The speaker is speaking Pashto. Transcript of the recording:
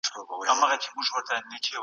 د سر رګونو بندیدل فلجي رامنځ ته کوي.